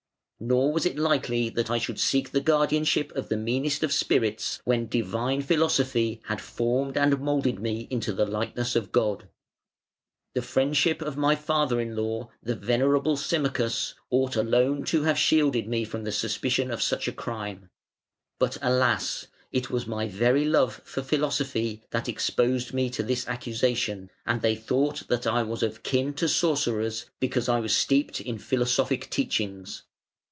Nor was it likely that I should seek the guardianship of the meanest of spirits when Divine Philosophy had formed and moulded me into the likeness of God. The friendship of my father in law, the venerable Symmachus, ought alone to have shielded me from the suspicion of such a crime. But alas! it was my very love for Philosophy that exposed me to this accusation, and they thought that I was of kin to sorcerers because I was steeped in philosophic teachings".